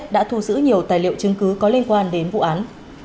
đã thu giữ nhiều tài liệu chứng cứ có liên quan đến vụ án